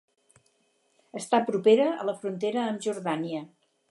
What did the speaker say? Està propera a la frontera amb Jordània.